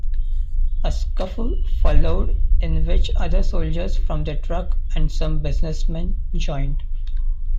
A scuffle followed in which other soldiers from the truck and some businessmen joined.